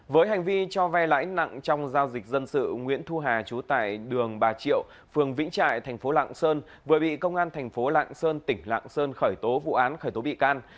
với hành vi cho ve lãi nặng trong giao dịch dân sự nguyễn thu hà chú tại đường bà triệu phường vĩnh trại thành phố lạng sơn vừa bị công an thành phố lạng sơn tỉnh lạng sơn khởi tố vụ án khởi tố bị can